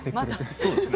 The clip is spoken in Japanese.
そうですね。